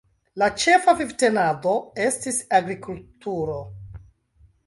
La ĉefa vivtenado estis agrikultuuro.